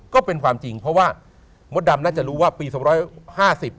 ก็เป็นความจริงเพราะว่ามดดำน่าจะรู้ว่าปีสองร้อยห้าสิบ